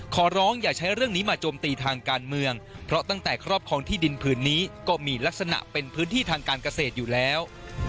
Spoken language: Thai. ขอร้องอย่าใช้เรื่องนี้มาโจมตีทางการเมืองเพราะตั้งแต่ครอบครองที่ดินผืนนี้ก็มีลักษณะเป็นพื้นที่ทางการเกษตรอยู่แล้ว